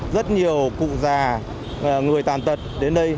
rất nhiều cụ già người tàn tật đến đây